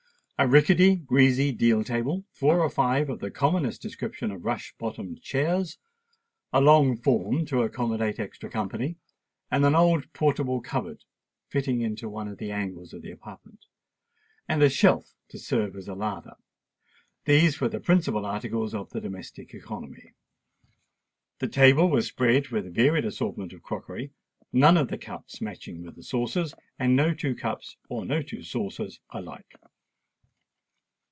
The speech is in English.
A rickety, greasy deal table; four or five of the commonest description of rush bottomed chairs; a long form to accommodate extra company; an old portable cupboard, fitting into one of the angles of the apartment; and a shelf to serve as a larder,—these were the principal articles of the domestic economy. The table was spread with a varied assortment of crockery, none of the cups matching with the saucers, and no two cups or no two saucers alike.